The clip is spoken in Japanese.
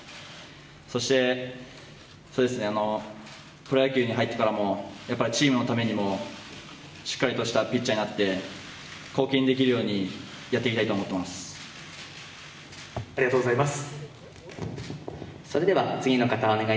そして、プロ野球に入ってからもチームのためにもしっかりとしたピッチャーになって貢献できるようにやっていきたいと思っています。